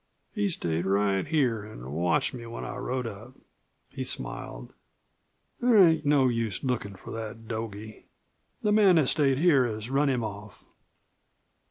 He stayed right here an' watched me when I rode up." He smiled. "There ain't no use lookin' for that dogie. The man that stayed here has run him off."